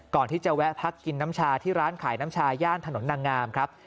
แวะพักกินน้ำชาที่ร้านขายน้ำชายย่านถนนนางงามครับ